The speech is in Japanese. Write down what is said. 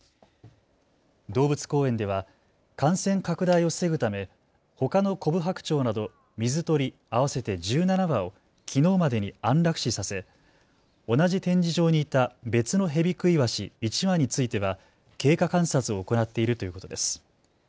動物公園では感染拡大を防ぐためほかのコブハクチョウなど水鳥合わせて１７羽をきのうまでに安楽死させ、同じ展示場にいた別のヘビクイワシ１羽については経過観察を行っているということです。